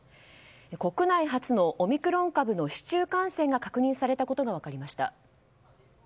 国内初のオミクロン株の市中感染が確認されたことが分かりました。